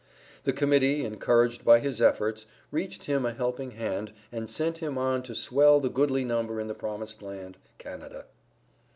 The Committee, encouraged by his efforts, reached him a helping hand and sent him on to swell the goodly number in the promised land Canada.